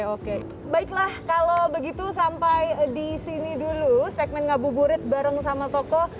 oke baiklah kalau begitu sampai di sini dulu segmen ngabu burit bareng sama tokoh